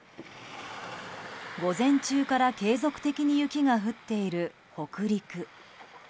午前中から継続的に雪が降っている北陸。